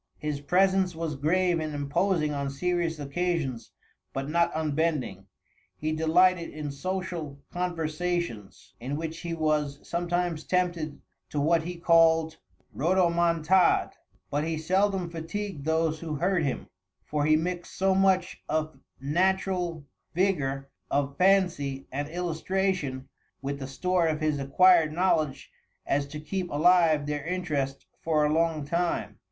"His presence was grave and imposing on serious occasions, but not unbending. He delighted in social conversation, in which he was sometimes tempted to what he called rodomontade. But he seldom fatigued those who heard him; for he mixed so much of natural vigor of fancy and illustration with the store of his acquired knowledge, as to keep alive their interest for a long time."